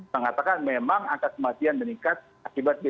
mengatakan memang angka kematian meningkat akibat b satu ratus tujuh belas